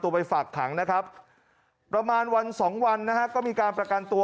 ไปฝากขังนะครับประมาณวันสองวันนะฮะก็มีการประกันตัว